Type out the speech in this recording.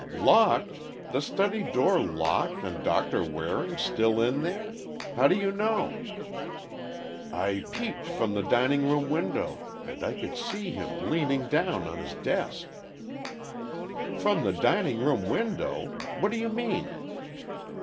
"Locked! The study door locked, and Doctor Waring still in there? How do you know?" "I peeped from the dining room window—and I could see him, leaning down on his desk." "From the dining room window! What do you mean?"